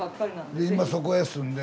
で今そこへ住んで。